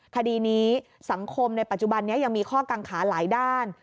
คดีนี้สังคมในปัจจุบันนี้ยังมีข้อกังขาหลายด้าน